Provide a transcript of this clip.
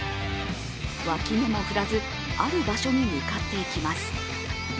脇目も振らずある場所に向かっていきます。